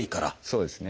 そうですね。